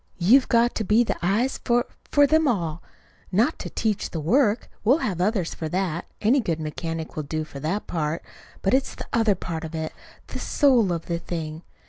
You've got to be the eyes for for them all; not to teach the work we'll have others for that. Any good mechanic will do for that part. But it's the other part of it the soul of the thing.